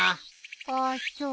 あっそう。